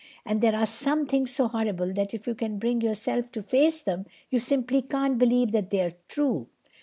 And there are some things so horrible that if you can bring yourself to face them you simply can't believe that they're true.